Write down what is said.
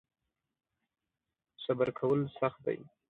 صبر کول سخت دی .